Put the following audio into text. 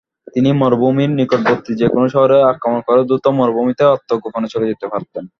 তিনি মরুভূমির নিকটবর্তী যে-কোনো শহরে আক্রমণ করে দ্রুত মরুভূমিতে আত্মগোপনে চলে যেতে পারতেন।